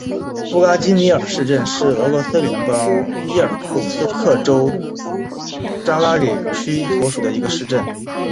弗拉基米尔市镇是俄罗斯联邦伊尔库茨克州扎拉里区所属的一个市镇。